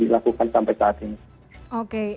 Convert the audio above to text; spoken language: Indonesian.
dilakukan sampai saat ini oke